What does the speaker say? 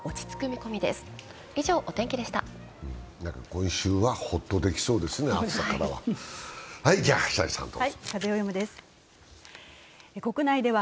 今週はホッとできそうですね、暑さからは。